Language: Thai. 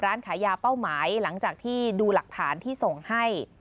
ร้านขายยาเป้าหมายหลังจากที่ดูหลักฐานที่ส่งให้